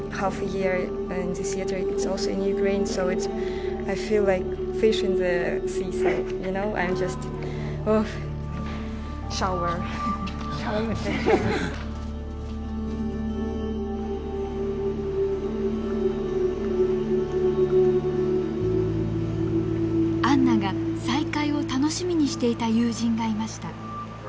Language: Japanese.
アンナが再会を楽しみにしていた友人がいました。